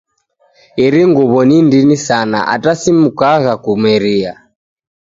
Iri nguw'o ni ndini sana ata simukagha kumeria